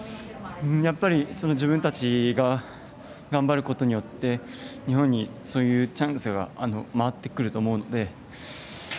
やっぱり自分たちが頑張ることによって日本にそういうチャンスが回ってくると思うので。